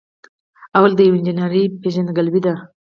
لومړی د یو انجینر پیژندګلوي ده.